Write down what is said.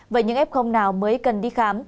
vậy những f nào mới cần đi khám